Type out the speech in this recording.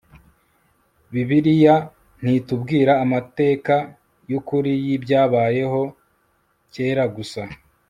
bibiliya ntitubwira amateka y ukuri y ibyabayeho kera gusa